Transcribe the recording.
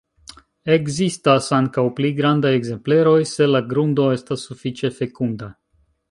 Ekzistas ankaŭ pli grandaj ekzempleroj, se la grundo estas sufiĉe fekunda.